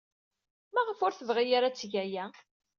Maɣef ur tebɣi ara ad teg aya?